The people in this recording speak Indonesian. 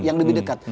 yang lebih dekat